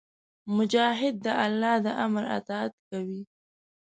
مجاهد د الله د امر اطاعت کوي.